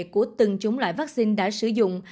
của từng chủng loại vaccine đã sử dụng